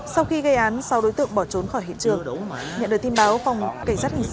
sau khi gây án sau đối tượng bỏ trốn khỏi hiện trường nhận được tin báo phòng cảnh sát hình sự